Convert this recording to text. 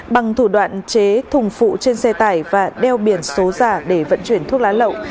bằng thủ đoạn chế thùng phụ trên xe tải và đeo biển số giả để vận chuyển thuốc lá lậu